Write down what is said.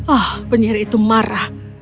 oh penyihir itu marah